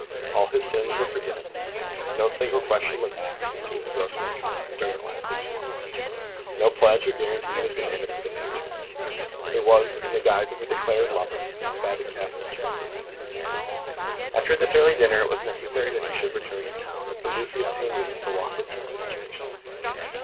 All his sins were forgiven him. No single question was asked as to his gross misconduct during the last six months. No pledge or guarantee was demanded for the future. There he was, in the guise of a declared lover, and the fatted calf was killed. After this early dinner it was necessary that he should return to town, and Lucy obtained leave to walk with him to the station.